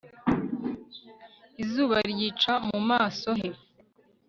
izuba ryica mu maso he